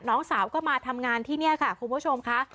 น้องสาวก็มาทำงานที่นี่ค่ะคุณผู้ชมค่ะ